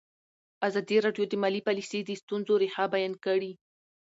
ازادي راډیو د مالي پالیسي د ستونزو رېښه بیان کړې.